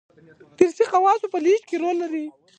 دارثي خواصو په لېږد کې رول لري.